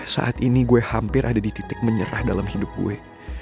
saat ini gue hampir ada di titik menyerah dalam hidup gue